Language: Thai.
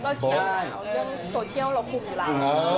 เราเชี่ยวเราเรื่องโซเชียลเราคุมร้า